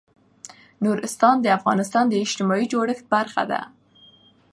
نورستان د افغانستان د اجتماعي جوړښت برخه ده.